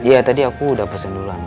iya tadi aku udah pesen duluan ma